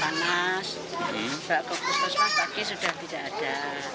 pak puskesmas pagi sudah tidak ada